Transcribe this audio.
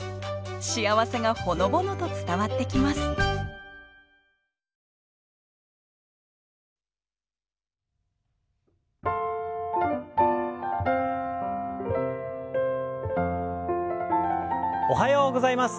幸せがほのぼのと伝わってきますおはようございます。